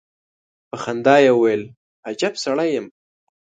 په خندا يې وويل: اجب سړی يم.